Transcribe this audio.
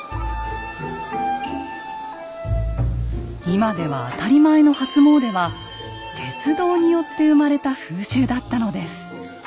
今では当たり前の「初詣」は鉄道によって生まれた風習だったのです。